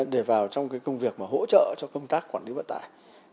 để vào trong công việc hỗ trợ cho công tác quản lý vận tải